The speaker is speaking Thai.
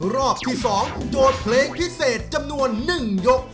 รอบที่๒โจทย์เพลงพิเศษจำนวน๑ยก